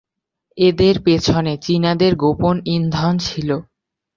এদের পেছনে চীনাদের গোপন ইন্ধন ছিল।